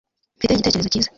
mfite igitekerezo cyiza